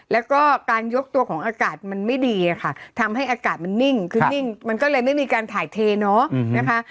แล้วก็การยกตัวของอากาศมันไม่ดีอะค่ะทำให้อากาศมันนิ่งคือนิ่งมันก็เลยไม่มีการถ่ายเทเนาะนะคะ